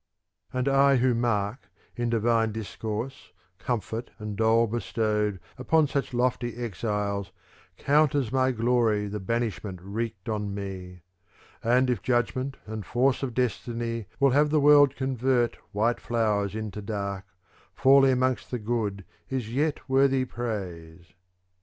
V And I who mark, in divine discourse, comfort and dole bestowed upon such lofty exiles, count as my glory the banishment wreaked on me : And if judgment and force of destiny will have the world convert white flowers into dark, falling amongst the good is yet worthy praise.